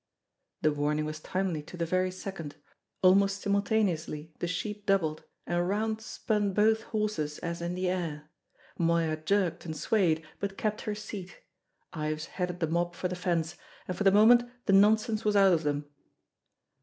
The warning was timely to the very second: almost simultaneously the sheep doubled, and round spun both horses as in the air. Moya jerked and swayed, but kept her seat. Ives headed the mob for the fence, and for the moment the nonsense was out of them.